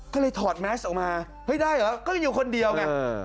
ก็เลยถอดแมสออกมาเฮ้ยได้เหรอก็อยู่คนเดียวไง